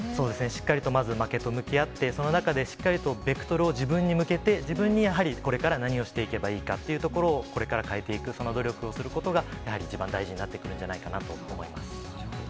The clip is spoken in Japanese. しっかりとまず負けと向き合って、その中でしっかりとベクトルを自分に向けて、自分にやはりこれから何をしていけばいいかっていうところを、これから変えていく、その努力をしていくことが、やはり一番大事になってくるんじゃないかなと思います。